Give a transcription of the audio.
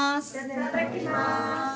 いただきます。